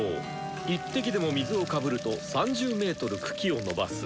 １滴でも水をかぶると３０ｍ茎をのばす。